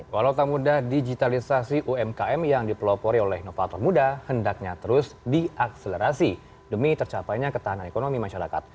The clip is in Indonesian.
walau tak mudah digitalisasi umkm yang dipelopori oleh inovator muda hendaknya terus diakselerasi demi tercapainya ketahanan ekonomi masyarakat